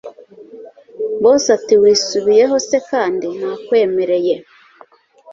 Boss atiwisubiyeho se kandi nakwemereye